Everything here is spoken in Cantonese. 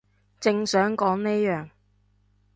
正想講呢樣